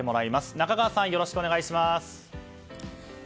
中川さん、よろしくお願いします。